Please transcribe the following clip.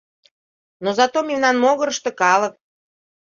Но зато мемнан могырышто калык.